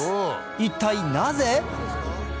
一体なぜ？